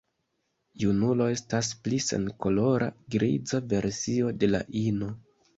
Junulo estas pli senkolora griza versio de la ino.